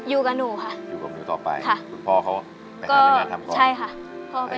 อยู่กับหนูค่ะค่ะค่าก็ใช่ค่ะ